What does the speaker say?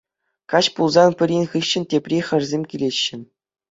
Каҫ пулсан пӗрин хыҫҫӑн тепри хӗрсем килеҫҫӗ.